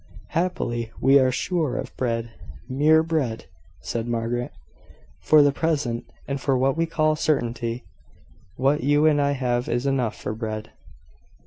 "Happily, we are sure of bread, mere bread," said Margaret, "for the present, and for what we call certainty. What you and I have is enough for bread."